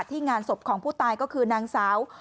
งานศพของผู้ตายก็คือนางสาว